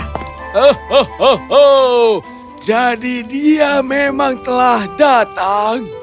hohoho jadi dia memang telah datang